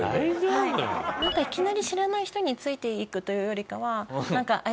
いきなり知らない人についていくというよりかは。